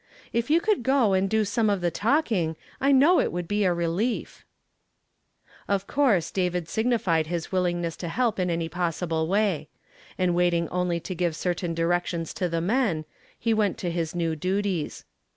If you could go and do some of the talking, I know it would be a relief " Of course David signified his willingness to help in any possible way; and waiting only to give certain directions to the men, he Avent to his new duties.